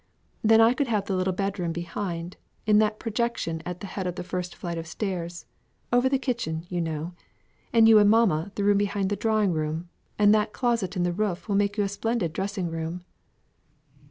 Then I could have the little bed room behind, in that projection at the head of the first flight of stairs over the kitchen, you know and you and mamma the room behind the drawing room, and that closet in the roof will make you a splendid dressing room."